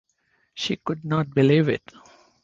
She could not believe it.